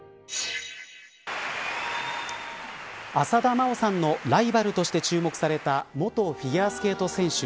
浅田真央さんのライバルとして注目された元フィギュアスケート選手